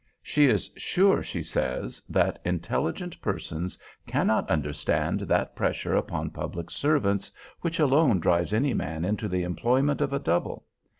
She is sure, she says, that intelligent persons cannot understand that pressure upon public servants which alone drives any man into the employment of a double.